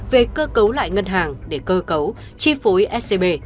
về cơ cấu lại ngân hàng để cơ cấu chi phối scb